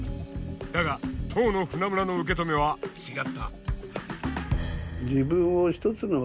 だが当の船村の受け止めは違った。